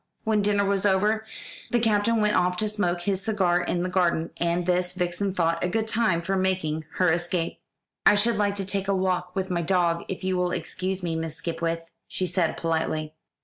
When dinner was over the Captain went off to smoke his cigar in the garden, and this Vixen thought a good time for making her escape. "I should like to take a walk with my dog, if you will excuse me, Miss Skipwith," she said politely.